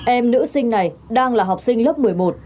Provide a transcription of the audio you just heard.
em nữ sinh này đang là học sinh lớp một mươi một